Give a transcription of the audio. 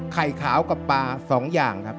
ไข่ขาวกับปลา๒อย่างครับ